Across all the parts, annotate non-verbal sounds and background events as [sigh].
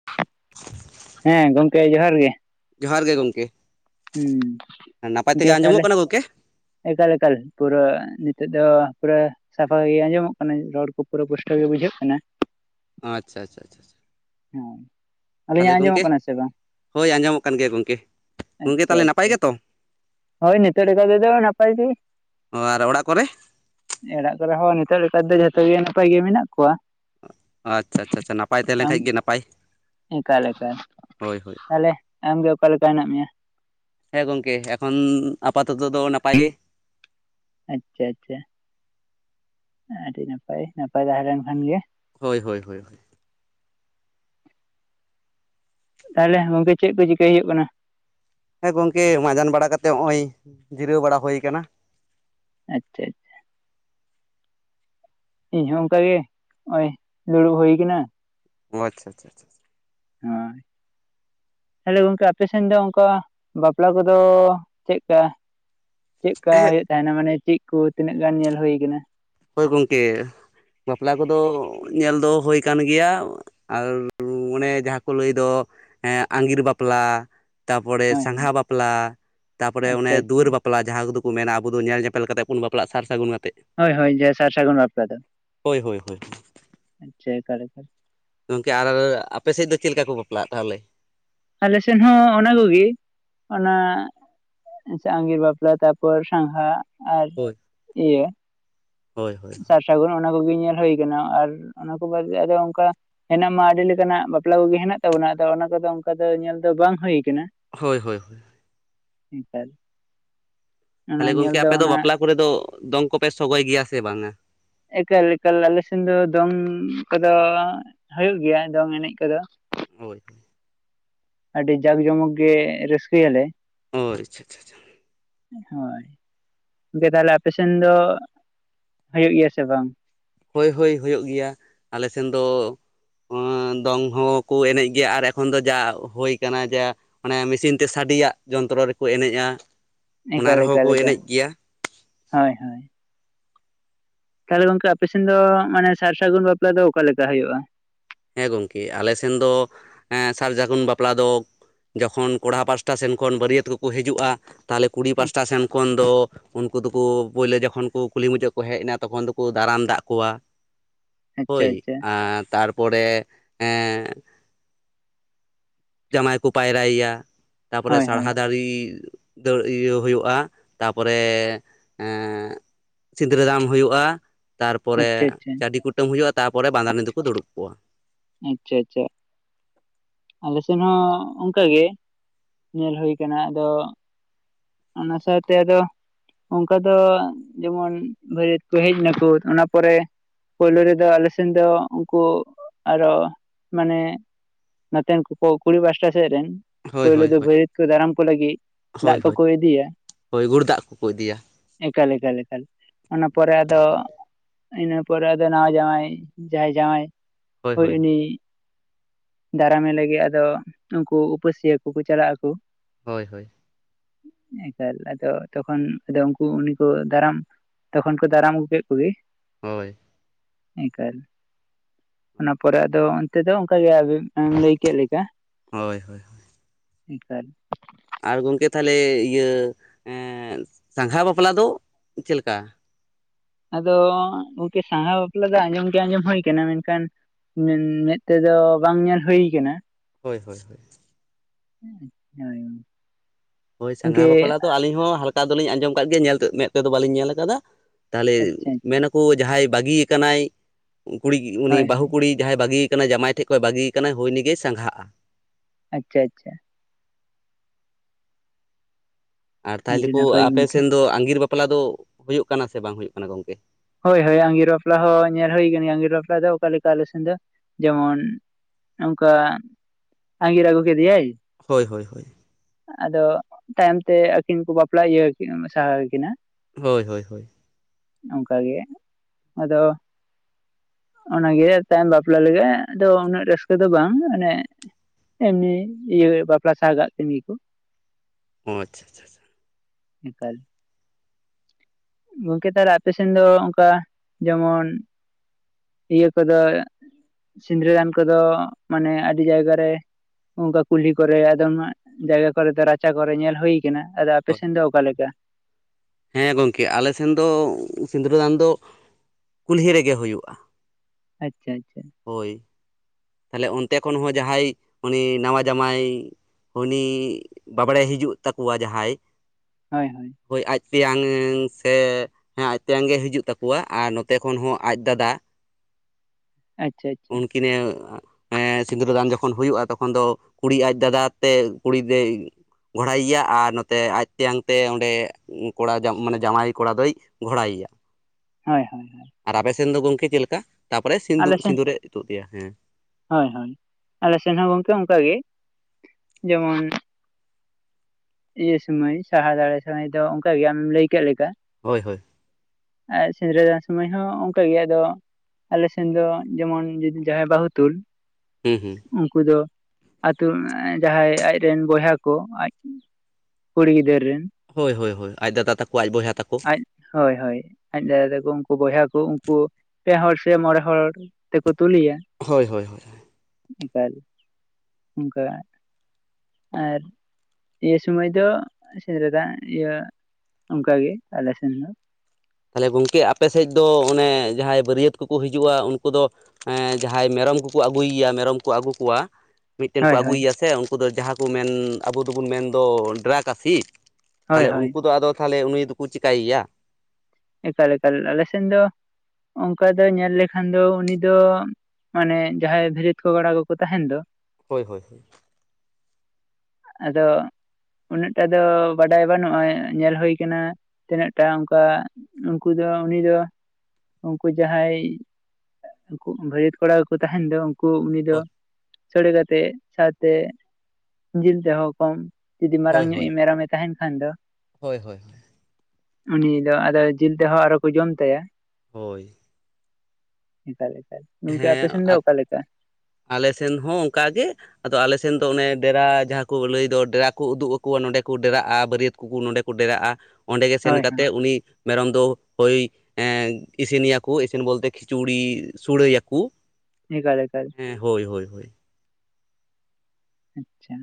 [inaudible] ᱦᱮᱸ ᱜᱚᱢᱠᱮ ᱡᱚᱦᱟᱨ ᱜᱮ᱾ ᱡᱚᱦᱟᱨ ᱜᱮ ᱜᱚᱢᱠᱮ᱾ ᱦᱩᱸ ᱱᱟᱯᱟᱭ ᱜᱚᱝᱠᱮ ᱛᱮᱜᱮ ᱟᱸᱡᱚᱢᱚᱜ ᱛᱟᱦᱚᱞᱮ ᱠᱟᱱᱟ ᱜᱚᱢᱠᱮ? ᱮᱠᱟᱞ ᱮᱠᱟᱞ ᱯᱩᱨᱟᱹ ᱱᱤᱛᱚᱜ ᱫᱚ ᱯᱩᱨᱟᱹ ᱥᱟᱯᱷᱟ ᱜᱮ ᱟᱸᱡᱚᱢᱚᱜ ᱠᱟᱱᱟ? ᱨᱚᱲ ᱠᱚ ᱯᱩᱨᱟᱹ ᱯᱩᱥᱴᱚ ᱜᱮ ᱵᱩᱡᱷᱟᱹᱜ ᱠᱟᱱᱟ? ᱟᱪᱪᱷᱟ ᱟᱪᱪᱷᱟ ᱟᱪᱪᱷᱟ ᱦᱚᱸ ᱟᱞᱤᱧ ᱛᱟᱦᱚᱞᱮ ᱟᱸᱡᱚᱢᱚᱜ ᱜᱚᱢᱠᱮ ᱠᱟᱱᱟ ᱥᱮ ᱵᱟᱝ? ᱦᱳᱭ ᱟᱸᱡᱚᱢᱚᱜ ᱠᱟᱱ ᱜᱮ ᱜᱚᱢᱠᱮ, ᱜᱚᱢᱠᱮ ᱟᱪᱪᱷᱟ ᱛᱟᱦᱚᱞᱮ ᱱᱟᱯᱟᱭ ᱟᱪᱪᱷᱟ ᱜᱮᱛᱚ? ᱦᱳᱭ ᱱᱤᱛᱚᱜ ᱞᱮᱠᱟ ᱛᱮ ᱫᱚ ᱱᱟᱯᱟᱭ ᱜᱤ᱾ ᱚᱸ ᱟᱨ ᱚᱲᱟᱜ ᱠᱚᱨᱮ? ᱮᱲᱟᱜ ᱠᱚᱨᱮ ᱦᱚᱸ ᱱᱤᱛᱚᱜ ᱞᱮᱠᱟ ᱫᱚ ᱡᱷᱚᱛᱚ ᱜᱮ ᱱᱟᱯᱟᱭ ᱜᱮ ᱢᱮᱱᱟᱜ ᱠᱚᱣᱟ᱾ ᱟᱪᱪᱷᱟ ᱪᱷᱟ ᱱᱟᱯᱟᱭ ᱛᱟᱦᱮᱸ ᱞᱮᱱ ᱠᱷᱟᱡ ᱜᱮ ᱱᱟᱯᱟᱭ᱾ ᱚᱠᱟᱞ ᱮᱠᱟᱞ ᱦᱳᱭ ᱦᱳᱭ ᱛᱟᱦᱚᱞᱮ ᱟᱢᱜᱮ ᱚᱠᱟᱞᱮᱠᱟ ᱦᱮᱱᱟᱜ ᱢᱮᱭᱟ? ᱦᱮᱸ ᱜᱚᱝᱠᱮ ᱮᱠᱷᱚᱱ ᱟᱯᱟᱛᱚᱛᱚ ᱫᱚ ᱱᱟᱯᱟᱭ ᱜᱮ᱾ ᱟᱪᱪᱷᱟ ᱟᱪᱪᱷᱟ᱾ ᱟᱹᱰᱤ ᱱᱟᱯᱟᱭ, ᱱᱟᱯᱟᱭ ᱛᱟᱦᱮᱸ ᱞᱮᱱ ᱠᱷᱟᱱ ᱜᱮ᱾ ᱦᱳᱭ ᱦᱳᱭ ᱦᱳᱭ᱾ ᱛᱟᱦᱚᱞᱮ ᱜᱚᱝᱠᱮ ᱪᱮᱫ ᱠᱚ ᱪᱤᱠᱟᱹᱭ ᱦᱩᱭᱩᱜ ᱠᱟᱱᱟ? ᱦᱮᱸ ᱜᱚᱝᱠᱮ ᱢᱟᱟᱸᱡᱟᱱ ᱵᱟᱲᱟ ᱠᱟᱛᱮᱜ ᱱᱚᱜ ᱚᱚᱭ ᱡᱤᱨᱟᱹᱣ ᱵᱟᱲᱟ ᱦᱩᱭ ᱠᱟᱱᱟ᱾ ᱟᱪᱪᱷᱟ ᱪᱷᱟ᱾ ᱤᱧ ᱦᱚᱸ ᱚᱱᱠᱟᱜᱮ ᱱᱚᱼᱚᱭ ᱫᱩᱲᱩᱵ ᱦᱩᱭ ᱠᱟᱱᱟ᱾ ᱳ ᱟᱪᱷᱟ ᱪᱷᱟ᱾ ᱦᱟᱸ᱾ ᱛᱟᱦᱚᱞᱮ ᱜᱚᱝᱠᱮ ᱟᱯᱮ ᱥᱮᱱ ᱫᱚ ᱚᱝᱠᱟ ᱵᱟᱯᱞᱟ ᱠᱚᱫᱚ ᱪᱮᱜ ᱠᱟ? ᱪᱮᱫ ᱞᱮᱠᱟ‌ ᱦᱩᱭᱩᱜ ᱛᱟᱦᱮᱱᱟ ᱢᱟᱱᱮ ᱪᱤᱫ ᱧᱮᱞ ᱦᱩᱭ ᱟᱠᱟᱱᱟ? ᱦᱳᱭ ᱜᱚᱝᱠᱮ ᱵᱟᱯᱞᱟ ᱠᱚᱫᱚ ᱧᱮᱞ ᱫᱚ ᱦᱚᱭ ᱠᱟᱱ ᱜᱮᱭᱟ᱾ ᱟᱨ ᱩᱸ ᱚᱱᱮ ᱡᱟᱦᱟᱸ ᱠᱚ ᱞᱟᱹᱭ ᱫᱚ ᱮᱸ ᱟᱸᱜᱤᱨ ᱵᱟᱯᱞᱟ᱾ ᱛᱟᱯᱚᱲᱮ ᱦᱳᱭ ᱥᱟᱸᱜᱷᱟ ᱦᱳᱭ ᱵᱟᱯᱞᱟ ᱛᱟᱯᱚᱨᱮ ᱚᱱᱮ ᱟᱪᱪᱷᱟ ᱫᱩᱣᱟᱹᱨ ᱟᱪᱪᱷᱟ ᱵᱟᱯᱼᱼ ᱯᱞᱟ ᱡᱟᱦᱟᱸ ᱠᱩᱫᱩ ᱠᱚ ᱢᱮᱱᱟ ᱟᱵᱩ ᱫᱚ ᱧᱮᱞ ᱧᱮᱯᱮᱞ ᱠᱟᱛᱮᱜ ᱵᱩᱱ ᱵᱟᱯᱞᱟᱜ ᱥᱟᱨ ᱥᱟᱹᱜᱩᱱ ᱠᱟᱛᱮᱜ᱾ ᱦᱚᱭ ᱦᱚᱭ ᱡᱮ ᱥᱟᱨ ᱥᱟᱹᱜᱩᱱ ᱵᱟᱯᱞᱟ ᱫᱚ᱾ ᱦᱳᱭ ᱦᱳᱭ ᱦᱳᱭ᱾ ᱟᱪᱷᱟ ᱮᱠᱟᱞ ᱮᱠᱟᱞ ᱜᱚᱝᱠᱮ ᱟᱨ ᱨᱚ ᱟᱯᱮ ᱥᱮᱫ ᱫᱚ ᱪᱮᱫ ᱞᱮᱠᱟ ᱠᱚ ᱵᱟᱯᱞᱟᱜ-ᱟ ᱛᱟᱦᱚᱞᱮ? ᱟᱞᱮ ᱥᱮᱱ ᱦᱚᱸ ᱚᱱᱟ ᱠᱩᱜᱤ ᱚᱱᱟ ᱪᱮ ᱟᱸᱜᱤᱨ ᱵᱟᱯᱞᱟ ᱛᱟᱨᱯᱚᱨ ᱥᱟᱸᱜᱷᱟ ᱟᱨ ᱤᱭᱟᱹ᱾ ᱦᱚᱭ ᱦᱚᱭ᱾ ᱥᱟᱨ ᱥᱟᱹᱜᱩᱱ ᱚᱱᱟ ᱠᱩᱜᱤ ᱧᱮᱞ ᱦᱩᱭ ᱟᱠᱟᱱᱟ ᱟᱨ ᱚᱱᱟ ᱠᱚ ᱵᱟᱨᱮ ᱛᱮ ᱚᱱᱠᱟ ᱦᱮᱱᱟᱜ ᱢᱟ ᱟᱰᱤ ᱞᱮᱠᱟᱱᱟᱜ ᱵᱟᱯᱞᱟ ᱠᱚᱜᱮ ᱦᱮᱱᱟᱜ ᱛᱟᱵᱚᱱᱟ ᱟᱫᱚ ᱚᱱᱟ ᱠᱚᱫᱚ ᱚᱱᱠᱟ ᱠᱚᱫᱚ ᱧᱮᱞ ᱫᱚ ᱵᱟᱝ ᱦᱩᱭ ᱠᱟᱱᱟ᱾ ᱦᱚᱭ ᱦᱚᱭ ᱦᱚᱭ᱾ ᱤᱠᱟᱞ᱾ ᱛᱟᱦᱚᱞᱮ ᱜᱚᱝᱠᱮ ᱟᱯᱮ ᱫᱚ ᱵᱟᱯᱞᱟ ᱠᱚᱨᱮ ᱫᱚ ᱫᱚᱝ ᱠᱚᱯᱮ ᱥᱚᱜᱚᱭ ᱜᱮᱭᱟ ᱥᱮ ᱵᱟᱝᱼᱟ? ᱮᱠᱟᱞ ᱮᱠᱟᱞ ᱟᱞᱮ ᱥᱮᱱ ᱫᱚ ᱫᱚᱝ ᱠᱚᱫᱚ ᱦᱚᱭᱩᱜ ᱜᱮᱭᱟ ᱫᱚᱝ ᱮᱱᱮᱡ ᱠᱚᱫᱚ᱾ ᱦᱳᱭ ᱟᱹᱰᱤ ᱡᱟᱠ ᱡᱚᱢᱚᱠ ᱜᱮ ᱨᱟᱹᱥᱠᱟᱹ ᱭᱟᱞᱮ᱾ ᱦᱳᱭ ᱟᱪᱷᱟ ᱪᱷᱟ ᱪᱷᱟ ᱾ ᱦᱚᱭ᱾ ᱡᱮ ᱛᱟᱦᱮᱞᱮ ᱟᱯᱮ ᱥᱮᱱ ᱫᱚ ᱦᱩᱭᱩᱜ ᱜᱮᱭᱟ ᱥᱮ ᱵᱟᱝ? ᱦᱳᱭ ᱦᱳᱭ ᱦᱩᱭᱩᱜ ᱜᱮᱭᱟ ᱟᱞᱮ ᱥᱮᱱ ᱫᱚᱼᱼ ᱚᱸ ᱫᱚᱝ ᱦᱚᱸᱠᱚ ᱮᱱᱮᱡ ᱜᱮᱭᱟ ᱟᱨ ᱮᱠᱷᱚᱱ ᱫᱚ ᱡᱟ ᱦᱚᱭ ᱠᱟᱱᱟ ᱡᱟ ᱟᱱᱮ ᱢᱤᱥᱤᱱ ᱛᱮ ᱥᱟᱰᱤᱟᱜ ᱡᱚᱱᱛᱨᱚ ᱨᱮᱠᱚ ᱮᱱᱮᱡ-ᱟ᱾ ᱮᱠᱟᱞ‌ ᱮᱠᱟᱞ ᱮᱠᱟ ᱦᱚᱭ ᱦᱚᱭ᱾ ᱛᱟᱦᱚᱞᱮ ᱜᱚᱝᱠᱮ ᱟᱯᱮ ᱥᱮᱱ ᱫᱚ ᱢᱟᱱᱮ ᱥᱟᱨ ᱥᱟᱹᱜᱩᱱ ᱵᱟᱯᱞᱟ ᱫᱚ ᱚᱠᱟ ᱞᱮᱠᱟ ᱦᱩᱭᱩᱜ-ᱟ? ᱦᱮᱸ ᱜᱚᱝᱠᱮ ᱟᱞᱮ ᱥᱮᱱ ᱫᱚ ᱥᱟᱨ ᱡᱟᱜᱩᱱ ᱵᱟᱯᱞᱟ ᱫᱚ ᱡᱚᱠᱷᱚᱱ ᱠᱚᱲᱟ ᱯᱟᱥᱴᱟ ᱥᱮᱱ ᱠᱷᱚᱱ ᱵᱟᱹᱨᱤᱭᱟᱹᱛ ᱠᱚ ᱠᱚ ᱦᱤᱡᱩᱜᱼᱟ ᱛᱟᱦᱚᱞᱮ ᱠᱩᱲᱤ ᱯᱟᱥᱴᱟ ᱥᱮᱱ ᱠᱷᱚᱱ ᱫᱚ ᱩᱱᱠᱩ ᱫᱩ ᱠᱩ ᱯᱩᱭᱞᱟᱹ ᱡᱚᱠᱷᱚᱱ ᱠᱚ ᱠᱩᱞᱤ ᱢᱩᱪᱟᱹᱜ ᱠᱚ ᱦᱮᱡ ᱮᱱᱟ ᱛᱚᱠᱷᱚᱱ ᱫᱚᱠᱚ ᱫᱟᱨᱟᱢ ᱫᱟᱜ ᱠᱚᱣᱟ᱾ ᱟᱪᱪᱷᱟ ᱦᱳᱭ ᱟᱪᱪᱷᱟ ᱟᱨ ᱛᱟᱨᱯᱚᱨᱮ ᱮᱸᱜ ᱡᱟᱶᱟᱭ ᱠᱚ ᱯᱟᱭᱨᱟᱭ ᱭᱟ ᱛᱟᱯᱚᱨᱮ ᱦᱳᱭ ᱦᱳᱭ ᱥᱟᱲᱦᱟ ᱫᱟᱨᱤᱼᱼ ᱫᱟᱣ ᱤᱭᱟᱹ ᱦᱩᱭᱩᱜ-ᱟ ᱛᱟᱯᱚᱨᱮ ᱮᱸᱜ ᱥᱤᱫᱽᱨᱟᱹ ᱫᱟᱱ ᱦᱩᱭᱩᱜ-ᱟ ᱛᱟᱨᱯᱚᱨᱮ ᱟᱪᱪᱷᱟ ᱟᱪᱪᱷᱟ ᱪᱟᱰᱤ ᱠᱩᱴᱟᱹᱢ ᱦᱩᱭᱩᱜ-ᱟ ᱛᱟᱨᱯᱚᱨᱮ ᱵᱟᱸᱫᱟᱱᱤ ᱫᱚ ᱠᱚ ᱫᱩᱲᱩᱵ ᱠᱚᱣᱟ᱾ ᱟᱪᱪᱷᱟ ᱪᱟᱜ ᱾ ᱟᱞᱮ ᱥᱮᱱ ᱦᱚᱸ ᱚᱱᱠᱟ ᱜᱮ ᱧᱮᱞ ᱦᱩᱭ ᱟᱠᱟᱱᱟ ᱟᱫᱚ, ᱚᱱᱟ ᱥᱟᱶᱛᱮ ᱟᱫᱚ ᱚᱱᱠᱟ ᱫᱚ ᱡᱮᱢᱚᱱ ᱵᱟᱹᱨᱭᱟᱹᱛ ᱠᱚ ᱦᱮᱡ ᱱᱟᱠᱩ ᱚᱱᱟ ᱯᱚᱨᱼᱼᱮ ᱯᱩᱭᱞᱩ ᱨᱮᱫᱚ ᱟᱞᱮ ᱥᱮᱱ ᱫᱚ ᱩᱝᱠᱩ ᱟᱨᱚ ᱢᱟᱱᱮ ᱱᱚᱛᱮᱱ ᱠᱚ‌ᱠᱚ ᱠᱩᱲᱤ ᱯᱟᱥᱴᱟ ᱥᱮᱫ ᱨᱤᱱ ᱯᱩᱭᱞᱩ ᱫᱚ ᱵᱟᱹᱭᱨᱛᱟᱹᱛ ᱠᱚ ᱫᱟᱨᱟᱢ ᱠᱚ ᱞᱟᱹᱜᱤᱫ ᱦᱚᱭ ᱫᱟᱜ ᱦᱚᱭ ᱠᱚᱠᱚ ᱤᱫᱤᱭᱟ ᱦᱳᱭ ᱜᱩᱲᱫᱟᱜ ᱠᱚᱠᱚ ᱤᱫᱤᱭᱟ᱾ ᱮᱠᱟᱞ ᱮᱠᱟᱞ ᱮᱠᱟᱞ ᱚᱱᱟ ᱯᱚᱨᱮ ᱟᱫᱚ ᱤᱱᱟᱹ ᱯᱚᱨᱮ ᱟᱫᱚ ᱱᱟᱶᱟ ᱡᱟᱶᱟᱭ ᱡᱟᱦᱟᱸᱭ ᱡᱟᱶᱟᱭ ᱦᱳᱭ ᱩᱱᱤ ᱫᱟᱨᱟᱢᱮ ᱞᱟᱹᱜᱤᱫ ᱟᱫᱚ ᱩᱱᱠᱩ ᱩᱯᱟᱹᱥᱤᱭᱟᱹ ᱠᱩ ᱠᱩ ᱪᱟᱞᱟᱜ ᱟᱹᱠᱩ᱾ ᱦᱳᱭ ᱦᱳᱭ ᱮᱠᱟᱞ ᱟᱫᱚ ᱛᱚᱠᱷᱚᱱ ᱟᱫᱚ ᱩᱝᱠᱩ ᱩᱱᱤ ᱠᱚ ᱫᱟᱨᱟᱢ, ᱛᱚᱠᱷᱚᱱ ᱠᱚ ᱫᱟᱨᱟᱢ ᱟᱹᱜᱩ ᱠᱮᱫ ᱠᱚ ᱜᱮ ᱦᱳᱭ ᱤᱱᱠᱟᱹ ᱚᱱᱟ ᱯᱚᱨᱮ ᱟᱫᱚ ᱛᱮᱫᱚ ᱚᱱᱠᱟ ᱜᱮ ᱟᱫᱚ ᱞᱟᱹᱭ ᱠᱮᱫ ᱞᱮᱠᱟ ᱦᱳᱭ ᱦᱚᱭ ᱦᱞ ᱟᱨ ᱜᱚᱢᱠᱮ ᱛᱟᱦᱚᱞᱮ ᱤᱭᱟᱹ ᱥᱟᱸᱜᱷᱟ ᱵᱟᱯᱞᱟ ᱫᱚ ᱪᱮᱫ ᱞᱮᱠᱟ ᱟᱫᱚ ᱜᱚᱢᱠᱮ ᱥᱟᱸᱜᱷᱟ ᱵᱟᱯᱞᱟ ᱫᱚ ᱟᱸᱡᱚᱢ ᱜᱮ ᱟᱸᱡᱚᱢ ᱦᱩᱭ ᱟᱠᱟᱱᱟ ᱢᱮᱱᱠᱷᱟᱱ ᱢᱮᱫ ᱛᱮᱫᱚ ᱵᱟᱝ ᱧᱮᱞ ᱦᱩᱭᱩ ᱟᱠᱟᱱᱟ᱾ ᱦᱳᱭ ᱦᱳᱭ ᱦᱳᱭ [unintelligible] ᱦᱳᱭ ᱥᱟᱸᱜᱷᱟ ᱜᱚᱝᱠᱮ ᱵᱟᱯᱞᱟ ᱛ ᱫᱚ ᱟᱹᱞᱤᱧ ᱦᱚᱸ ᱥᱟᱜᱷᱟ ᱵᱟᱯᱞᱟ ᱫᱚ ᱦᱟᱞᱠᱟ ᱫᱚᱞᱤᱧ ᱟᱸᱡᱚᱢ ᱠᱫ ᱜᱮᱭᱟ ᱧᱮᱞ ᱢᱮᱫ ᱛᱮᱫᱚ ᱵᱟᱜᱝᱹᱞᱤᱧ ᱧᱮᱞ ᱟᱠᱟᱫᱟ, ᱛᱟᱦᱚᱞᱮ ᱟᱪᱪᱷᱟ ᱟᱪᱪᱷᱟ ᱢᱮᱱᱟᱠᱚ ᱡᱟᱦᱟᱸᱭ ᱵᱟᱹᱜᱤᱭᱟ ᱠᱟᱱᱟᱭ ᱠᱩᱲᱤ ᱩᱱᱤ ᱦᱳᱭ ᱵᱟᱹᱦᱩ ᱦᱳᱭ ᱠᱩᱲᱤ ᱡᱟᱦᱟᱸᱭ ᱵᱟᱹᱜᱤ ᱠᱟᱱᱟ ᱡᱟᱢᱟᱭ ᱴᱷᱮᱱ ᱠᱷᱚᱱᱭ ᱵᱟᱹᱜᱤᱭ ᱟᱠᱟᱱᱟᱭ ᱦᱚᱭ ᱱᱤᱜᱮ ᱥᱟᱸᱜᱷᱟᱜᱼᱟ, ᱟᱪᱷᱟ ᱟᱪᱷᱟ ᱟᱨ ᱛᱟᱦᱚᱞᱮ ᱟᱹᱰᱤ ᱠᱚ ᱱᱟᱯᱟᱭ ᱜᱚᱝᱠᱮ ᱟᱯᱮᱥᱱ ᱫᱚ ᱟᱸᱜᱤᱨ ᱵᱟᱯᱞᱟ ᱫᱚ ᱦᱩᱭᱩᱜ ᱠᱟᱱᱟ ᱥᱮ ᱵᱟᱝ ᱦᱩᱭᱩᱜ ᱠᱟᱱᱟ ᱜᱚᱝᱠᱮ, ᱦᱳᱭ ᱦᱳᱭ ᱟᱸᱜᱤᱨ ᱵᱟᱯᱞᱟ ᱦᱚᱸ ᱧᱮᱞ ᱦᱩᱭ ᱟᱠᱟᱱᱟ ᱜᱮᱭᱟ ᱟᱜᱤᱨ ᱵᱟᱯᱞᱟ ᱫᱚ ᱚᱠᱟᱞᱮᱠᱟ ᱟᱞᱮ ᱥᱮᱱ ᱫᱚ ᱡᱮᱢᱚᱱ, ᱱᱚᱝᱠᱟ ᱟᱸᱜᱤᱨ ᱟᱹᱜᱩ ᱠᱮᱫᱮᱭᱟᱭ, ᱦᱳᱭ ᱦᱳᱭ ᱦᱳᱭ ᱟᱫᱚ ᱛᱟᱭᱚᱢᱛᱮ ᱟᱹᱠᱤᱱ ᱠᱚ ᱵᱟᱯᱞᱟ ᱤᱭᱟᱹ ᱥᱟᱣ ᱠᱤᱱᱟ ᱦᱳᱭ ᱦᱳᱭ ᱦᱳᱭ ᱮ ᱟᱫᱚ ᱚᱱᱟᱜᱮ ᱛᱟᱭᱚᱢ ᱵᱟᱯᱞᱟ ᱞᱟ. ᱜᱤᱫ ᱟᱫᱚ ᱩᱱᱟᱹᱜ ᱨᱟᱹᱥᱠᱟᱹ ᱫᱚ ᱵᱟᱝ ᱚᱱᱮ ᱮᱢᱱᱤ ᱤᱭᱟᱹ ᱵᱟᱯᱞᱟ ᱥᱟᱦ ᱠᱟᱜ ᱛᱮᱢ ᱜᱮ ᱠᱚ ᱚ ᱟᱪᱷᱟ ᱪᱷᱟ ᱪᱷᱟ ᱮᱠᱟᱞ ᱜᱚᱢᱠᱮ ᱛᱟᱦᱚᱞᱮ ᱟᱯᱮ ᱥᱮᱱ ᱫᱚ ᱚᱱᱠᱟ ᱡᱮᱢᱚᱱ ᱤᱭᱟᱹ ᱠᱚᱫᱚ ᱥᱤᱸᱫᱽᱨᱟᱹ ᱫᱟᱱ ᱠᱚᱫᱚ ᱢᱟᱱᱮ ᱟᱹᱰᱤ ᱡᱟᱭᱜᱟ ᱨᱮ ᱚᱱᱠᱟ ᱠᱩᱞᱦᱤ ᱠᱚᱨᱮ ᱟᱫᱚᱢ ᱡᱟᱭᱜᱟ ᱠᱚᱨᱮ ᱨᱟᱪᱟ ᱠᱚᱨᱮ ᱧᱮᱞ ᱦᱩᱭ ᱟᱠᱟᱱᱟ ᱟᱫᱚ ᱦᱳᱭ᱾ ᱟᱯᱮᱥᱮᱱ ᱫᱚ ᱚᱠᱟᱞᱮᱠᱟ? ᱦᱮᱸ ᱜᱚᱝᱠᱮ ᱟᱞᱮ ᱥᱮᱱ ᱫᱚ ᱥᱤᱫᱽᱨᱟᱹ ᱫᱟᱱ ᱫᱚ ᱠᱩᱞᱦᱤ ᱨᱮᱜᱮ ᱦᱩᱭᱩᱜᱼᱟ ᱟᱪᱷᱟ ᱟᱪᱷᱟ ᱦᱳᱭ ᱛᱟᱦᱞᱮ ᱚᱱᱛᱮ ᱠᱷᱚᱱ ᱦᱚᱸ ᱡᱟᱦᱟᱸᱭ ᱢᱟᱱᱮ ᱱᱟᱶᱟ ᱡᱟᱢᱟᱭ ᱩᱱᱤ ᱵᱟᱵᱽᱲᱮ ᱦᱤᱡᱩᱜ ᱛᱟᱠᱚᱣᱟ ᱡᱟᱦᱟᱸᱭ ᱦᱳᱭ ᱦᱳᱭ ᱦᱳᱭ ᱟᱡ ᱛᱮᱭᱟᱝ ᱥᱮ ᱦᱮᱸ ᱟᱡ ᱛᱮᱟᱝ ᱜᱮ ᱦᱤᱡᱩᱜ ᱛᱟᱠᱚᱣᱟ ᱟᱨ ᱱᱚᱛᱮ ᱠᱷᱚᱱ ᱦᱚᱸ ᱟᱡ ᱫᱟᱫᱟ᱾ ᱟᱪᱷᱟ ᱟᱪᱷᱟ ᱠᱤᱱᱭᱟᱹ ᱦᱮ ᱥᱤᱸᱫᱨᱟᱹ ᱫᱟᱱ ᱡᱚᱠᱷᱚᱱ ᱦᱩᱭᱩᱜᱼᱟ ᱛᱚᱠᱷᱚᱱ ᱫᱚ ᱠᱩᱲᱤ ᱟᱡ ᱫᱟᱫᱟ ᱛᱮ ᱠᱩᱲᱤ ᱛᱮᱜ ᱜᱷᱚᱲᱟ ᱭᱮᱭᱟ ᱟᱨ ᱱᱚᱛᱮ ᱟᱡ ᱛᱮᱭᱟᱝ ᱛᱮ ᱚᱸᱰᱮ ᱠᱚᱲᱟ ᱢᱟᱱᱮ ᱡᱟᱶᱟᱭ ᱠᱚᱲᱟ ᱫᱚᱭ ᱜᱷᱚᱲᱟᱭᱮᱭᱟ ᱦᱳᱭ ᱦᱳᱭ ᱦᱳᱭ ᱟᱨ ᱟᱯᱮ ᱥᱮᱱ ᱫᱚ ᱜᱚᱢᱠᱮ ᱪᱮᱫ ᱞᱮᱠᱟ, ᱛᱟᱨᱯᱚᱨᱮ ᱥᱤᱸᱫᱩ ᱟᱞᱮ ᱥᱮᱱ ᱥᱤᱸᱫᱩᱨ ᱨᱮ, ᱤᱛᱩᱜᱫ ᱮᱭᱟ ᱦᱮᱸ ᱦᱳᱭ ᱦᱳᱭ ᱟᱞᱮ ᱥᱮᱱ ᱦᱚᱸ ᱜᱚᱝᱠᱮ ᱚᱱᱠᱟ ᱜᱮ ᱡᱮᱢᱚᱱ ᱤᱭᱟᱹ ᱥᱩᱢᱚᱭ ᱥᱟᱦᱟᱨ ᱫᱟᱲᱮ ᱥᱚᱢᱚᱭ ᱫᱚ ᱚᱱᱠᱟᱜ ᱜᱮ ᱟᱢᱮᱢ ᱞᱟᱹᱭ ᱠᱮᱫ ᱞᱮᱠᱟ, ᱦᱳᱭ ᱦᱳᱭ ᱟᱡ ᱥᱮᱸᱫᱽᱨᱟᱟᱹ ᱫᱟᱱ ᱥᱚᱢᱚᱭ ᱦᱚᱸ ᱚᱱᱠᱟ ᱜᱮ ᱟᱫᱚ ᱟᱞᱮᱥᱮᱱ ᱫᱚ ᱡᱮᱢᱚᱱ ᱡᱫᱤ ᱡᱟᱭ ᱵᱟᱹᱦᱩ ᱛᱩᱞ ᱦᱩᱸ ᱦᱩᱸ ᱩᱱᱠᱩ ᱫᱚ ᱟᱛᱳ ᱡᱟᱦᱟᱸᱭ ᱟᱡᱨᱮᱱ ᱵᱚᱭᱦᱟ ᱠᱚ ᱟᱡ ᱠᱩᱲᱤ ᱜᱤᱫᱽᱨᱟᱹ ᱨᱤᱱ ᱦᱳᱭ ᱦᱳᱭ ᱦᱳᱭ ᱟᱡ ᱫᱟᱫᱟ ᱛᱟᱠᱚ ᱟᱡ ᱵᱚᱭᱦᱟ ᱛᱟᱠᱚ ᱟᱡ ᱦᱳᱭ ᱦᱳᱭ ᱟᱡ ᱫᱟᱫᱟ ᱛᱟᱠᱚ ᱩᱱᱠᱩ ᱵᱚᱭᱦᱟ ᱠᱚ ᱩᱱᱠᱩ ᱯᱮ ᱦᱚᱲ ᱥᱮ ᱢᱚᱬᱮ ᱦᱚᱲ ᱛᱮᱠᱚ ᱛᱩᱞᱤᱭᱟ ᱦᱳᱭ ᱦᱳᱭ ᱦᱳᱭ ᱮᱠᱟᱞ ᱚᱱᱠᱟ ᱟᱨ ᱤᱭᱟᱹ ᱥᱩᱢᱟᱹᱭ ᱫᱚ ᱥᱤᱸᱫᱽᱨᱟᱹ ᱫᱟᱱ ᱤᱭᱟᱹ ᱚᱱᱠᱟ ᱜᱮ ᱟᱞᱮ ᱥᱮᱱ ᱫᱚ ᱛᱟᱦᱚᱞᱮ ᱜᱚᱢᱠᱮ ᱟᱯᱮ ᱥᱮᱫ ᱫᱚ ᱚᱱᱮ ᱡᱟᱦᱟᱸᱭ ᱵᱟᱹᱨᱭᱟᱹᱛ ᱠᱚᱠᱚ ᱦᱤᱡᱩᱜᱼᱟ ᱩᱱᱠᱩ ᱫᱚ ᱸᱡᱟᱦᱟᱸᱭ ᱢᱮᱨᱚᱢ ᱠᱚᱠᱚ ᱟᱹᱜᱩᱭᱮᱭᱟ ᱢᱮᱨᱚᱢ ᱠᱚ ᱟᱹᱜᱩ ᱠᱚᱣᱟ ᱢᱤᱫ ᱴᱮᱱ ᱠᱚ ᱦᱳᱭ ᱦᱳᱭ ᱟᱹᱜᱩᱭᱮᱭᱟ ᱥᱮ ᱩᱱᱠᱩ ᱫᱚ ᱡᱟᱦᱟᱸ ᱠᱚ ᱢᱮᱱ ᱟᱵᱚ ᱫᱚᱵᱚᱱ ᱢᱮᱱᱫᱚ ᱰᱮᱨᱟ ᱠᱟᱥᱤ ᱦᱳᱭ ᱛᱟᱦᱚᱞᱮ ᱦᱳᱭ ᱩᱱᱠᱩ ᱫᱚ ᱟᱫᱚ ᱛᱟᱦᱞᱮ ᱩᱱᱤ ᱫᱚᱠᱚ ᱪᱤᱠᱟᱹᱭᱮᱭᱟ ᱮᱠᱟᱞ ᱮᱠᱟᱞ ᱟᱞᱮ ᱥᱮᱱ ᱫᱚ ᱚᱱᱠᱟ ᱫᱚ ᱧᱮᱞ ᱞᱮᱠᱷᱟᱱ ᱫᱚ ᱩᱱᱤ ᱫᱚ ᱢᱟᱱᱮ ᱡᱟᱦᱟᱸᱭ ᱵᱷᱟᱹᱨᱭᱟᱹᱛ ᱠᱚ ᱠᱚᱲᱟ ᱠᱚᱠᱚ ᱛᱟᱦᱮᱱ ᱫᱚ ᱦᱳᱭ ᱦᱳᱭ ᱦᱳᱭ ᱟᱫᱚ ᱩᱱᱟᱹᱜ ᱴᱟᱜ ᱫᱚ ᱵᱟᱰᱟᱭ ᱵᱟᱹᱱᱩᱜᱼᱟ ᱧᱮᱞ ᱦᱳ ᱟᱠᱟᱱᱟ ᱛᱤᱱᱟᱹᱜ ᱴᱟᱜ ᱚᱱᱠᱟ ᱩᱱᱠᱩ ᱫᱚ ᱩᱱᱤ ᱫᱚ ᱩᱱᱠᱩ ᱡᱟᱦᱟᱸᱭ ᱩᱱᱠᱩ ᱵᱷᱟᱹᱭᱟᱹᱛ ᱠᱚᱲᱟ ᱠᱚ ᱠᱚ ᱛᱟᱦᱮᱱ ᱫᱚ ᱩᱱᱠᱩ ᱠᱩ ᱩᱱᱤ ᱫᱚ ᱦᱳᱭ ᱥᱚᱲᱮ ᱠᱟᱛᱮ ᱥᱟᱶᱛᱮ ᱡᱤᱞ ᱛᱮᱦᱚᱸ ᱠᱚᱢ ᱡᱩᱫᱤ ᱢᱟᱨᱟᱝ ᱧᱚᱜ ᱤᱡ ᱢᱮᱨᱚᱢᱮ ᱛᱟᱦᱮᱱ ᱠᱷᱟᱱ ᱫᱚ ᱦᱳᱭ ᱦᱳᱭ ᱦᱳᱭ ᱩᱱᱤ ᱫᱚ ᱟᱫᱚ ᱡᱤᱞ ᱛᱮᱦᱚᱸ ᱟᱨᱚ ᱠᱚ ᱡᱚᱢ ᱛᱟᱭᱟ ᱦᱳᱭ [unintelligible] ᱮᱠᱟᱞ ᱮᱠᱟᱞ ᱜᱚᱝᱠᱮ ᱟᱯᱮ ᱦᱮᱸ ᱥᱮᱱ ᱫᱚ ᱟᱫᱚ ᱚᱠᱟ ᱞᱮᱠᱟ ᱟᱞᱮ ᱥᱮᱱ ᱦᱚᱸ ᱚᱱᱠᱟᱜ ᱜᱮ ᱟᱫᱚ ᱟᱞᱮᱥᱮᱱ ᱫᱚ ᱚᱱᱮ ᱰᱮᱨᱟ ᱡᱟᱦᱟᱸ ᱠᱚ ᱞᱟᱹᱭ ᱫᱚ ᱰᱮᱨᱟ ᱠᱚ ᱩᱫᱩᱜ ᱟᱠᱚᱣᱟ ᱱᱚᱸᱰᱮ ᱠᱚ ᱰᱮᱨᱟᱜᱼᱟ ᱵᱟᱹᱨᱭᱟᱹᱛ ᱩᱱ ᱱᱚᱰᱮ ᱠᱚ ᱰᱮᱨᱟᱜᱼᱟ ᱚᱸᱰᱮ ᱜᱮ ᱥᱮᱱ ᱦᱳᱭ ᱦᱳᱭ ᱠᱟᱛᱮᱫ ᱩᱱᱤ ᱢᱮᱨᱚᱢ ᱫᱚ ᱦᱳᱭ ᱤᱥᱤᱱᱮᱭᱟ ᱠᱚ ᱤᱥᱤᱱ ᱵᱚᱞᱛᱮ ᱠᱷᱤᱪᱩᱲᱤ ᱥᱩᱲᱮᱭᱟ ᱠᱩ ᱮᱠᱟᱞ ᱮᱠᱟᱞ ᱦᱮᱸ ᱦᱳᱭ ᱦᱳᱭ ᱦᱳᱭ ᱟᱪᱷᱟ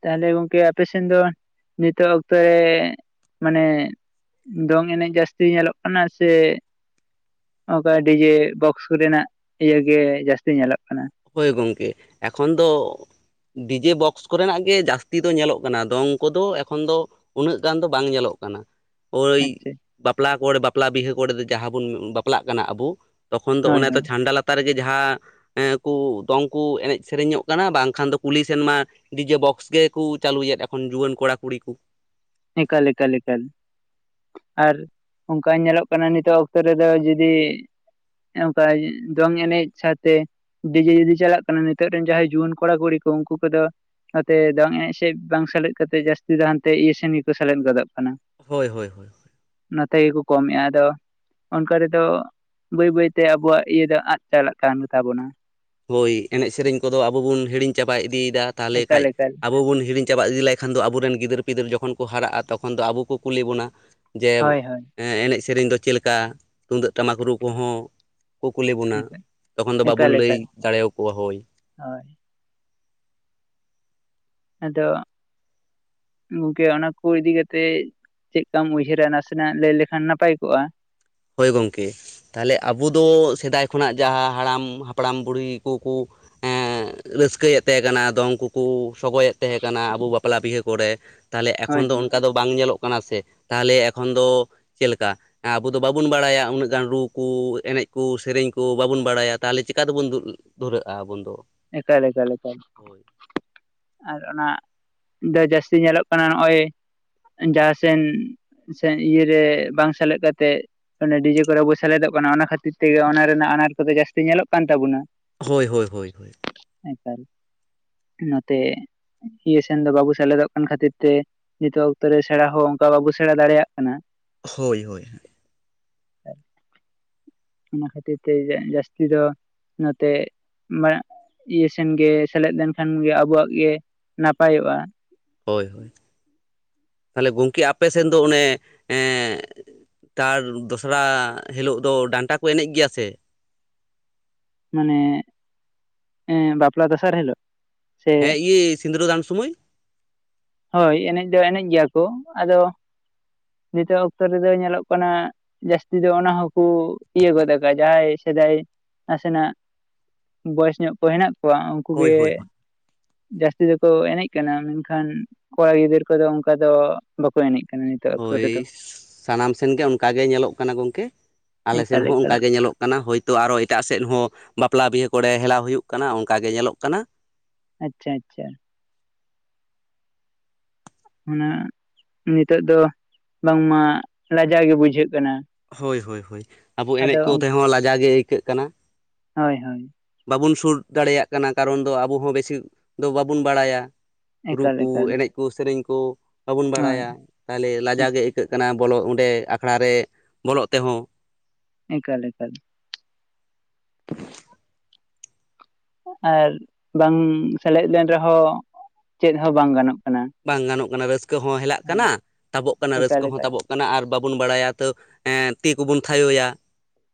ᱛᱟᱦᱚᱞᱮ ᱜᱚᱝᱠᱮ ᱟᱯᱮ ᱥᱮᱱ ᱫᱚ ᱱᱤᱛᱚᱜ ᱚᱠᱛᱚ ᱨᱮ ᱢᱟᱱᱮ ᱫᱚᱝ ᱮᱱᱮᱡ ᱡᱟᱹᱥᱛᱤ ᱧᱮᱞᱚᱜ ᱠᱟᱱᱟ ᱥᱮ ᱚᱱᱠᱟ ᱰᱤᱡᱮ ᱵᱚᱠᱥ ᱠᱚ ᱨᱮᱱᱟᱜ ᱤᱭᱟᱹᱜᱮ ᱡᱟᱹᱥᱛᱤ ᱧᱮᱞᱚᱜ ᱠᱟᱱᱟ ᱦᱩᱭ ᱜᱚᱝᱠᱮ ᱮᱠᱷᱚᱱ ᱫᱚ ᱰᱤᱡᱮ ᱵᱚᱠᱥ ᱠᱚ ᱨᱮᱱᱟᱜ ᱜᱮ ᱡᱟᱹᱥᱛᱤ ᱫᱚ ᱧᱮᱞᱚᱜ ᱠᱟᱱᱟ ᱫᱚᱝ ᱠᱚᱫᱚ ᱮᱠᱷᱚᱱ ᱫᱚ ᱩᱱᱟᱹᱜ ᱜᱟᱱ ᱫᱚ ᱵᱟᱝ ᱧᱮᱞᱚᱜ ᱠᱟᱱᱟ ᱳᱭ ᱟᱪᱪᱷᱟ ᱵᱟᱯᱞᱟ ᱠᱚᱨᱮ ᱵᱟᱯᱞᱟ ᱵᱤᱦᱟᱹ ᱠᱚᱨᱮ ᱫᱚ ᱡᱟᱦᱟᱸ ᱵᱚᱱ ᱵᱟᱯᱞᱟᱜ ᱠᱟᱱᱟ ᱟᱵᱚ ᱛᱚᱠᱷᱚᱱ ᱫᱚ ᱦᱳᱭ ᱚᱱᱮ ᱛᱚ ᱦᱳᱭ ᱪᱷᱟᱱᱰᱟ ᱞᱟᱛᱟᱨ ᱨᱮᱜᱮ ᱡᱟᱦᱟᱸ ᱮᱸᱜ ᱠᱚ ᱫᱚᱝ ᱠᱚ ᱮᱱᱮᱡ ᱥᱮᱨᱮᱧᱚᱜ ᱠᱟᱱᱟ ᱵᱟᱝ ᱠᱷᱟᱱ ᱫᱚ ᱠᱩᱞᱦᱤ ᱥᱮᱱᱢᱟ ᱰᱤᱡᱮ ᱵᱚᱠᱥ ᱜᱮᱠᱚ ᱪᱟᱹᱞᱩᱭᱮᱫ ᱟᱠᱚ ᱮᱠᱷᱚᱱ ᱡᱩᱣᱟᱹᱱ ᱠᱚᱲᱟ ᱠᱩᱲᱤ ᱠᱚ ᱮᱠᱟᱞ ᱮᱠᱟᱞ ᱮᱠᱟᱞ ᱟᱨ ᱚᱱᱠᱟ ᱧᱮᱞᱚᱜ ᱠᱟᱱᱟ ᱱᱤᱛᱚᱜ ᱚᱠᱛᱚ ᱨᱮᱫᱚ ᱡᱩᱫᱤ ᱚᱱᱠᱟ ᱫᱚᱝ ᱮᱱᱮᱡ ᱥᱟᱶᱛᱮ ᱰᱤᱡᱮ ᱡᱩᱫᱤ ᱪᱟᱞᱟᱜ ᱠᱟᱱᱟ ᱱᱤᱛᱚᱜ ᱨᱮᱱ ᱡᱟᱦᱟᱸᱭ ᱡᱩᱣᱟᱹᱱ ᱠᱚᱲᱟ ᱠᱩᱲᱤ ᱠᱚ ᱩᱱᱠᱩ ᱠᱚᱫᱚ ᱱᱚᱛᱮ ᱫᱚᱝ ᱮᱱᱮᱡ ᱥᱮᱫ ᱵᱟᱝ ᱥᱮᱞᱮᱫ ᱠᱟᱛᱮᱫ ᱡᱟᱹᱥᱛᱤ ᱫᱚ ᱦᱟᱱ ᱛᱮ ᱤᱭᱟᱹ ᱥᱮᱱ ᱜᱮ ᱠᱚ ᱥᱮᱞᱮᱫ ᱜᱚᱫᱚᱜ ᱠᱟᱱᱟ ᱦᱳᱭ ᱦᱳᱭ ᱦᱳᱭ ᱱᱚᱛᱮ ᱜᱮᱠᱚ ᱠᱚᱢᱮᱫᱼᱟ ᱟᱫᱚ ᱚᱱᱠᱟ ᱨᱮᱫᱚ ᱵᱟᱹᱭ ᱵᱟᱹᱭ ᱛᱮ ᱟᱵᱚᱣᱟᱜ ᱤᱭᱟᱹ ᱫᱚ ᱟᱫ ᱪᱟᱞᱟᱜ ᱠᱟᱱ ᱛᱟᱟᱵᱚᱱᱟ ᱦᱳᱭ ᱮᱱᱮᱡ ᱥᱮᱨᱮᱧ ᱠᱚᱫᱚ ᱟᱵᱚ ᱵᱚᱱ ᱦᱤᱲᱤᱧ ᱪᱟᱵᱟ ᱤᱫᱤᱭᱫᱟ ᱛᱟᱦᱞᱮ ᱠᱷᱟᱡ ᱮᱠᱟᱞ ᱮᱠᱟᱞ ᱟᱵᱚ ᱵᱚᱱ ᱦᱤᱲᱤᱧ ᱪᱟᱵᱟ ᱤᱫᱤ ᱞᱮᱭᱠᱷᱟᱱ ᱫᱚ ᱟᱵᱚ ᱨᱮᱱ ᱜᱤᱫᱟᱹᱨᱼᱯᱤᱫᱟᱹᱨ ᱡᱚᱠᱷᱚᱱ ᱠᱚ ᱦᱟᱨᱟᱜᱼᱟ ᱛᱚᱠᱷᱚᱱ ᱫᱚ ᱟᱵᱚ ᱠᱚ ᱠᱩᱞᱤ ᱵᱚᱱᱟ ᱡᱮ ᱦᱳᱭ ᱦᱳᱭ ᱦᱮᱸ ᱮᱱᱮᱡ ᱥᱮᱨᱮᱧ ᱫᱚ ᱪᱮᱫ ᱞᱮᱠᱟ ᱛᱩᱱᱫᱟᱹᱜ ᱴᱟᱢᱟᱠ ᱨᱩ ᱠᱚᱦᱚᱸ ᱠᱩ ᱠᱩᱞᱤ ᱵᱚᱱᱟ ᱮᱠᱟᱞ ᱛᱚᱠᱷᱚᱱ ᱫᱚ ᱵᱟᱵᱚᱱ ᱞᱟᱹᱭ ᱫᱟᱲᱮᱭᱟᱠᱚᱣᱟ ᱦᱳᱭ ᱦᱚᱭ ᱟᱫᱚ ᱜᱚᱝᱠᱮ ᱚᱱᱟ ᱠᱩ ᱤᱫᱤ ᱠᱟᱛᱮᱜ ᱪᱮᱫ ᱠᱟᱢ ᱩᱭᱦᱟᱹᱨᱟ ᱱᱟᱥᱮᱱᱟᱜ ᱞᱟᱹᱭ ᱞᱮᱠᱷᱟᱱ ᱱᱟᱯᱟᱭ ᱠᱚᱜᱼᱟ᱾ ᱦᱳᱭ ᱜᱚᱝᱠᱮ ᱛᱟᱦᱞᱮ ᱟᱵᱚ ᱫᱚ ᱥᱮᱫᱟᱭ ᱠᱷᱚᱱᱟᱜ ᱡᱟᱦᱟᱸ ᱦᱟᱲᱟᱢ ᱦᱟᱯᱲᱟᱢ ᱵᱩᱲᱦᱤ ᱠᱩᱠᱩ ᱦᱮᱹ ᱨᱟᱹᱥᱠᱟᱹᱭᱮᱫ ᱛᱮᱦᱮᱸ ᱠᱟᱱᱟ ᱟᱫᱚ ᱩᱱᱠᱩ ᱠᱩ ᱥᱚᱜᱚᱭᱮᱫ ᱛᱮᱦᱮᱸ ᱠᱟᱱᱟ ᱟᱵᱚ ᱵᱟᱯᱞᱟ ᱵᱤᱦᱟᱹ ᱠᱚᱨᱮ ᱛᱟᱦᱞᱮ ᱦᱳᱭ ᱮᱠᱷᱚᱱ ᱫᱚ ᱦᱳᱭ ᱚᱱᱠᱟ ᱫᱚ ᱵᱟᱝ ᱧᱮᱞᱚᱜ ᱠᱟᱱᱟ ᱥᱮ ᱛᱟᱦᱞᱮ ᱮᱠᱷᱚᱱ ᱫᱚ ᱪᱮᱫ ᱞᱮᱠᱟ [inaudible] ᱫᱚ ᱵᱟᱵᱚᱱ ᱵᱟᱲᱟᱭᱟ ᱩᱱᱟᱹᱜ ᱜᱟᱱ ᱨᱩ ᱠᱩ ᱮᱱᱮᱡ ᱠᱩ ᱥᱮᱨᱮᱧ ᱠᱚ ᱵᱟᱵᱚᱱ ᱵᱟᱲᱟᱭᱟ ᱛᱟᱦᱞᱮ ᱪᱤᱠᱟ ᱫᱚᱵᱚᱱ [unintelligible] ᱫᱷᱩᱨᱟᱹᱜᱼᱟ ᱟᱵᱚᱱ ᱫᱚ ᱮᱠᱟᱞ ᱮᱠᱟᱞ ᱮᱠᱟᱞ ᱦᱳᱭ ᱟᱨ ᱚᱱᱟ ᱡᱟ ᱡᱟᱹᱥᱛᱤ ᱧᱮᱞᱚᱜ ᱠᱟᱱᱟ ᱱᱚᱜᱼᱚᱭ ᱡᱟᱦᱟᱸ ᱥᱮᱱ ᱥᱮ ᱤᱭᱟᱹᱨᱮ ᱵᱟᱝ ᱥᱮᱞᱮᱫ ᱠᱟᱛᱮᱜ ᱚᱱᱮ ᱰᱤᱡᱮ ᱠᱚᱨᱮ ᱵᱚ ᱥᱮᱞᱮᱫᱚᱜ ᱠᱟᱱᱟ ᱚᱱᱟ ᱠᱷᱟᱹᱛᱤᱨ ᱛᱮᱜᱮ ᱚᱱᱟ ᱨᱮᱱᱟᱜ ᱟᱱᱟᱴ ᱠᱚᱫᱚ ᱡᱟᱹᱥᱛᱤ ᱧᱮᱞᱚᱜ ᱠᱟᱱ ᱛᱟᱵᱚᱱᱟ ᱦᱳᱭ ᱦᱳᱭ ᱦᱳᱭ ᱦᱳᱭ ᱮᱠᱟᱞ ᱱᱚᱛᱮ ᱤᱭᱟᱹ ᱥᱮᱱ ᱫᱚ ᱵᱟᱵᱚ ᱥᱮᱞᱮᱫᱚᱜ ᱠᱟᱱ ᱠᱷᱟᱹᱛᱤᱨ ᱛᱮ ᱱᱤᱛᱚᱜ ᱚᱠᱛᱚ ᱨᱮ ᱥᱮᱬᱟ ᱦᱚᱸ ᱚᱱᱠᱟ ᱵᱟᱵᱚ ᱥᱮᱬᱟ ᱫᱟᱲᱮᱭᱟᱜ ᱠᱟᱱᱟ ᱦᱳᱭ ᱦᱳᱭ ᱦᱳᱭ [unintelligible] ᱚᱱᱟ ᱠᱷᱟᱹᱛᱤᱨ ᱛᱮ ᱡᱟᱹᱥᱛᱤ ᱫᱚ ᱱᱚᱛᱮ ᱵᱟᱜ ᱤᱭᱟᱹ ᱥᱮᱱ ᱜᱮ ᱥᱮᱞᱮᱫ ᱞᱮᱱᱠᱷᱟᱱ ᱜᱮ ᱟᱵᱚᱣᱟᱜ ᱜᱮ ᱱᱟᱯᱟᱭᱚᱜᱼᱟ ᱦᱳᱭ ᱦᱳᱭ ᱛᱟᱦᱞᱮ ᱜᱚᱝᱠᱮ ᱟᱯᱮ ᱥᱮᱱ ᱫᱚ ᱚᱱᱮ ᱮᱸ ᱛᱟᱨ ᱫᱚᱥᱨᱟ ᱦᱤᱞᱳᱜ ᱫᱚ ᱰᱟᱱᱴᱟ ᱠᱚ ᱮᱱᱮᱡ ᱜᱮᱭᱟ ᱥᱮ ᱢᱟᱱᱮ ᱮᱸ ᱵᱟᱯᱞᱟ ᱫᱚᱥᱟᱨ ᱦᱤᱞᱚᱜ ᱦᱮᱸ ᱤᱭᱟ. ᱥᱤᱸᱱᱫᱽᱨᱟᱹᱫᱟᱱ ᱥᱩᱢᱟᱹᱭ ᱦᱳᱭ ᱮᱱᱮᱡ ᱫᱚ ᱮᱱᱮᱡ ᱜᱮᱭᱟ ᱠᱚ ᱟᱫᱚ ᱱᱤᱛᱚᱜ ᱚᱠᱛᱚ ᱨᱮᱫᱚ ᱧᱮᱞᱚᱜ ᱠᱟᱱᱟ᱾ ᱡᱟᱹᱥᱛᱤ ᱫᱚ ᱚᱱᱟ ᱦᱚᱸᱠᱩ ᱤᱭᱟᱹ ᱜᱚᱫ ᱠᱟᱜ ᱡᱟᱦᱟᱸᱭ ᱥᱮᱫᱟᱭ ᱱᱟᱥᱮᱱᱟᱜ ᱵᱚᱭᱮᱥ ᱧᱚᱜ ᱠᱚ ᱦᱮᱱᱟᱜ ᱣᱟᱜ ᱩᱱᱠᱩ ᱦᱳᱭ ᱜᱮ ᱦᱳᱭ ᱡᱟᱹᱥᱛᱤ ᱫᱚᱠᱚ ᱮᱱᱮᱡ ᱠᱟᱱᱟ ᱢᱮᱱᱠᱷᱟᱱ ᱠᱚᱲᱟ ᱜᱤᱫᱟᱹᱨ ᱠᱚᱫᱚ ᱚᱱᱠᱟ ᱫᱚ ᱵᱟᱠᱚ ᱮᱱᱮᱡ ᱠᱟᱱᱟ ᱱᱤᱛᱚᱹᱜ ᱦᱳᱭ ᱥᱟᱱᱟᱢ ᱥᱮᱱ ᱜᱮ ᱚᱱᱠᱟ ᱜᱮ ᱧᱮᱞᱚᱜ ᱠᱟᱱᱟ ᱜᱚᱝᱠᱮ ᱟᱞᱮ ᱥᱮᱱ ᱮᱠᱟᱞ ᱦᱚᱸ ᱮᱠᱟᱞ ᱚᱱᱠᱟ ᱜᱮ ᱧᱮᱞᱚᱜ ᱦᱮᱸ ᱦᱳᱭᱛᱚ ᱟᱨᱚ ᱮᱴᱟᱜ ᱥᱮᱫ ᱦᱚᱸ ᱵᱟᱯᱞᱟ ᱵᱤᱦᱟᱹ ᱠᱚᱨᱮ ᱦᱮᱞᱟᱣ ᱦᱩᱭᱩᱜ ᱠᱟᱱᱟ ᱚᱱᱠᱟ ᱜᱮ ᱧᱮᱞᱚᱜ ᱠᱟᱱᱟ ᱟᱪᱷᱟ ᱟᱪᱷᱟ ᱚᱱᱟ ᱱᱤᱛᱟᱹᱜ ᱫᱚ ᱵᱟᱝᱢᱟ ᱞᱟᱡᱟᱣ ᱜᱮ ᱵᱩᱡᱷᱟᱹᱜ ᱠᱟᱱᱟ ᱦᱳᱭ ᱦᱳᱭ ᱦᱳᱭ, ᱟᱵᱚ ᱮᱱᱮᱡ ᱟᱫᱚ ᱠᱚ ᱛᱮᱦᱚᱸ ᱞᱟᱡᱟᱣ ᱜᱮ ᱟᱹᱭᱠᱟᱹᱜ ᱠᱟᱱᱟ᱾ ᱦᱳᱭ ᱦᱳᱭ ᱵᱟᱵᱚᱱ ᱥᱩᱨ ᱫᱟᱲᱮᱭᱟᱜ ᱠᱟᱱᱟ ᱠᱟᱨᱚᱱ ᱫᱚ ᱟᱵᱚ ᱦᱚᱸ ᱵᱮᱥᱤ ᱫᱚ ᱵᱟᱵᱚᱱ ᱵᱟᱲᱟᱭᱟ ᱨᱩ ᱮᱠᱟᱞ ᱠᱚ ᱮᱠᱟᱞ ᱮᱱᱮᱡ ᱠᱚ ᱥᱮᱨᱮᱧ ᱠᱚ ᱵᱟᱵᱚᱱ ᱦᱳᱭ ᱵᱟᱲᱟᱭᱟ ᱛᱟᱦᱞᱮ ᱞᱟᱡᱟᱣ ᱜᱮ ᱮᱭ ᱪᱤᱠᱟ. ᱜ ᱠᱟᱱᱟ ᱵᱚᱞᱚᱜ ᱚᱸᱰᱮ ᱟᱠᱷᱲᱟ ᱨᱮ ᱵᱚᱞᱚᱜ ᱛᱮᱦᱚᱸ ᱠᱟᱹᱜ ᱮᱠᱟᱞ ᱮᱠᱟᱞ ᱟᱨ ᱵᱟᱝ ᱥᱮᱞᱮᱫ ᱞᱮᱱ ᱨᱮᱦᱚᱸ ᱪᱮᱫ ᱦᱚᱸ ᱵᱟᱝ ᱜᱟᱱᱚᱜ ᱠᱟᱱᱟᱺ ᱵᱟᱝ ᱜᱟᱱᱚᱜ ᱠᱟᱱᱟ ᱨᱟᱹᱥᱠᱟᱹ ᱦᱚᱸ ᱦᱮᱞᱟᱜ ᱠᱟᱱᱟ ᱛᱟᱵᱚᱜ ᱠᱟᱱᱟ ᱮᱠᱟᱞ ᱨᱟᱹᱥᱠᱟᱹ ᱦᱚᱸ ᱮᱠᱟᱞ ᱛᱟᱵᱚᱜ ᱢᱟᱱᱮ ᱟᱨ ᱵᱟᱵᱚᱱ ᱵᱟᱲᱟᱭᱟ ᱛᱟᱹᱣ ᱮ ᱛᱤ ᱠᱩᱵᱩᱱ ᱛᱷᱟᱭᱚᱭᱟ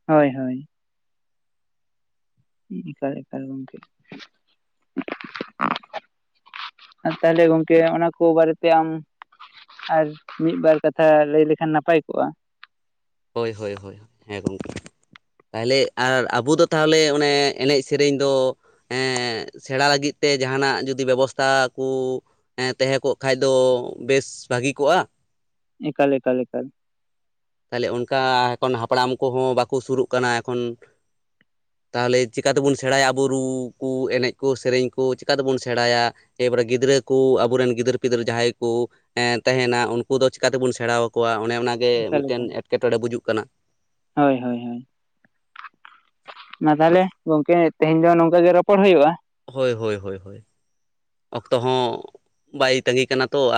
ᱦᱳᱭ ᱦᱳᱭ ᱤᱠᱟᱞ ᱮᱠᱟᱞ ᱜᱚᱝᱠᱮ [inaudible] [inaudible] ᱟᱨ ᱛᱟᱦᱚᱞᱮ ᱜᱚᱝᱠᱮ ᱚᱱᱟ ᱠᱚ ᱵᱟᱨᱮᱛᱮ ᱟᱢ ᱟᱨ ᱢᱤᱫ ᱵᱟᱨ ᱠᱟᱛᱷᱟ ᱞᱟᱹᱭ ᱞᱮᱠᱷᱟᱱ ᱱᱟᱯᱟᱭ ᱠᱚᱜᱼᱟ ᱦᱳᱭ ᱦᱳᱭ ᱦᱳᱭ, ᱦᱮᱸ ᱜᱚᱝᱠᱮ᱾ ᱛᱟᱦᱚᱞᱮ ᱟᱨ ᱟᱵᱚ ᱫᱚ ᱛᱟᱦᱚᱞᱮ ᱚᱱᱮ ᱮᱱᱮᱡ ᱥᱮᱨᱮᱧ ᱫᱚ ᱮᱸ ᱥᱮᱲᱟ ᱞᱟᱹᱜᱤᱫ ᱛᱮ ᱡᱟᱦᱟᱱᱟᱜ ᱡᱩᱫᱤ ᱵᱮᱵᱚᱥᱛᱷᱟ ᱠᱚ ᱮᱸ ᱛᱟᱦᱮᱸ ᱠᱚᱜ ᱠᱷᱟᱱ ᱫᱚ ᱵᱮᱥ ᱵᱷᱟᱹᱜᱤ ᱠᱚᱜᱼᱟ ᱮᱠᱟᱞ ᱮᱠᱟᱞ ᱮᱠᱟᱞ ᱛᱟᱦᱚᱞᱮ ᱚᱱᱠᱟ ᱮᱠᱷᱚᱱ ᱦᱟᱯᱲᱟᱢ ᱠᱚ ᱦᱚᱸ ᱵᱟᱠᱚ ᱥᱩᱨᱩᱜ ᱠᱟᱱᱟ ᱮᱠᱷᱚᱱ ᱛᱟᱦᱚᱞᱮ ᱪᱤᱠᱴᱠᱟ ᱛᱮᱵᱚᱱ ᱥᱮᱲᱟᱭᱟ ᱟᱵᱚ ᱨᱩ ᱠᱚ ᱮᱱᱮᱡ ᱠᱚ ᱥᱮᱨᱮᱧ ᱠᱚ ᱪᱤᱠᱟ ᱛᱮᱵᱚᱱ ᱥᱮᱬᱟᱭᱟ? ᱮᱵᱟᱨᱮ ᱜᱤᱫᱽᱨᱟᱹ ᱠᱚ, ᱟᱵᱚᱨᱮᱱ ᱜᱤᱫᱟᱹᱨ ᱯᱤᱫᱟᱹᱨ ᱡᱟᱦᱟᱸᱭ ᱠᱚ, ᱮ ᱸᱛᱟᱦᱮᱱᱟ ᱩᱱᱠᱩ ᱫᱚ ᱪᱤᱠᱟ ᱛᱮᱵᱚᱱ ᱥᱮᱲᱟ ᱟᱠᱚᱣᱟ ᱚᱱᱮ ᱚᱱᱟᱜᱮ ᱮᱠᱟᱞ ᱢᱤᱫᱴᱮᱱ ᱮᱠᱟᱞ ᱮᱸᱴᱠᱮᱴᱚᱲᱮ ᱵᱩᱡᱩᱜ ᱠᱟᱱᱟ᱾ ᱦᱳᱭ ᱦᱳᱭ ᱦᱳᱭ ᱢᱟ ᱛᱟᱦᱚᱞᱮ ᱜᱚᱝᱠᱮ ᱛᱮᱦᱮᱧ ᱫᱚ ᱱᱚᱝᱠᱟ ᱜᱮ ᱨᱚᱯᱚᱲ ᱦᱚᱭᱳᱜᱼᱟ ᱦᱳᱭ ᱦᱳᱭ ᱦᱳᱭ ᱦᱳᱭ ᱚᱠᱛᱚ ᱦᱚᱸ ᱵᱟᱭ ᱛᱟᱸᱜᱤ ᱠᱟᱱᱟ ᱛᱚ